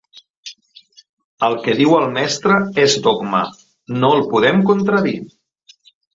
El que diu el mestre és dogma, no el podem contradir!